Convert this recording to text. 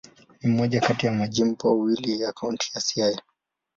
Ni moja kati ya majimbo mawili ya Kaunti ya Siaya.